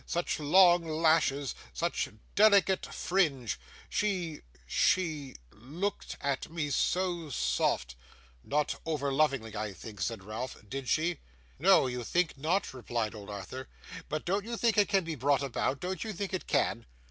Such long lashes, such delicate fringe! She she looked at me so soft.' 'Not over lovingly, I think,' said Ralph. 'Did she?' 'No, you think not?' replied old Arthur. 'But don't you think it can be brought about? Don't you think it can?